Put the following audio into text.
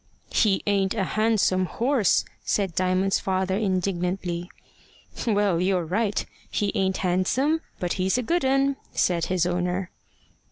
"He ain't a Hansom horse," said Diamond's father indignantly. "Well, you're right. He ain't handsome, but he's a good un" said his owner.